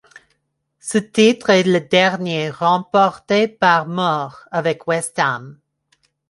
Ce titre est le dernier remporté par Moore avec West Ham.